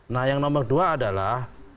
nah yang nomor dua adalah